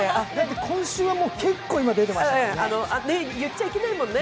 今週は結構出てましたもんね。